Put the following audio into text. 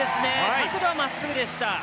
角度は真っすぐでした。